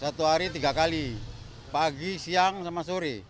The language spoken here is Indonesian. satu hari tiga kali pagi siang sama sore